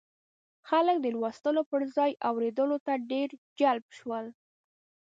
خلک د لوستلو پر ځای اورېدلو ته ډېر جلب شول.